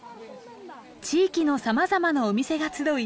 地域のさまざまなお店が集い